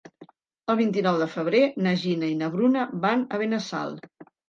El vint-i-nou de febrer na Gina i na Bruna van a Benassal.